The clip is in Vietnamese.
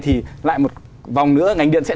thì lại một vòng nữa ngành điện sẽ